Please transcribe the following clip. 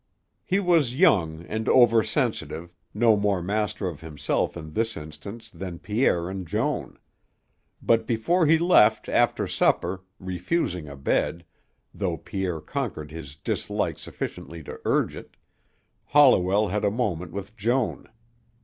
He was young and over sensitive, no more master of himself in this instance than Pierre and Joan. But before he left after supper, refusing a bed, though Pierre conquered his dislike sufficiently to urge it, Holliwell had a moment with Joan.